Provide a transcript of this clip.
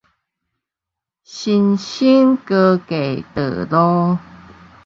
新生高架道路